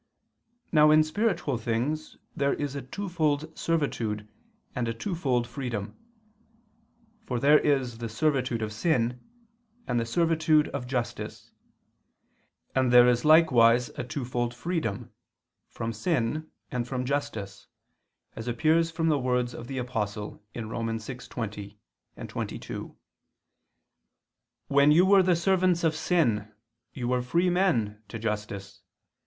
Now in spiritual things there is a twofold servitude and a twofold freedom: for there is the servitude of sin and the servitude of justice; and there is likewise a twofold freedom, from sin, and from justice, as appears from the words of the Apostle (Rom. 6:20, 22), "When you were the servants of sin, you were free men to justice